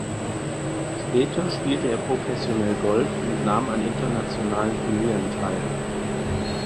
Später spielte er professionell Golf und nahm an internationalen Turnieren teil.